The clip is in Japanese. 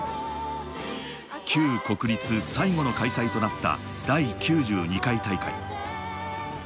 旧国立最後の開催となった第９２回大会。